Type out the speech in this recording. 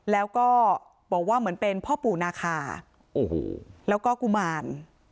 แล้วก็บอกว่าเหมือนเป็นพ่อปู่นาคาโอ้โหแล้วก็กุมาร